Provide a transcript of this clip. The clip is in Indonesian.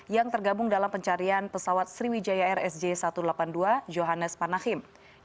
yang tergabung dalam pencarian pesawat sriwijaya rsj satu ratus delapan puluh dua johannes panahim